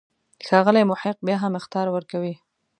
ښاغلی محق بیا هم اخطار ورکوي.